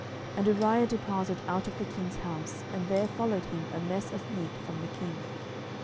And Uriah departed out of the king's house, and there followed him a mess of meat from the king.